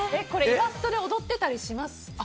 イラストで踊ってたりします？